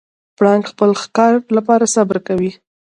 پړانګ د خپل ښکار لپاره صبر کوي.